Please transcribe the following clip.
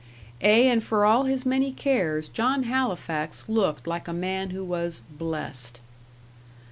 Ay, and for all his many cares, John Halifax looked like a man who was "blessed."